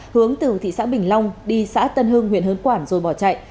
hướng từ thị xã bình long đi xã tân hưng huyện hớn quản rồi bỏ chạy